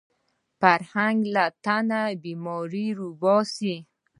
فرهنګ له تنه بیماري راوباسي